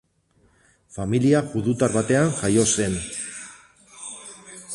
Familia judutar batean jaio zen.